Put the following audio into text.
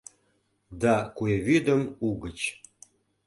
Да куэ вӱдым угыч